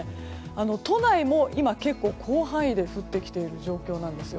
都内も今、結構広範囲で降ってきている状況なんです。